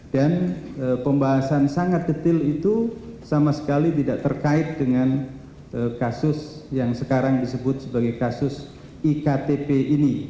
dan pembahasan sangat detail itu sama sekali tidak terkait dengan kasus yang sekarang disebut sebagai kasus iktp ini